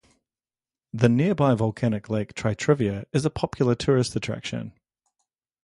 The nearby volcanic lake Tritriva is a popular tourist attraction.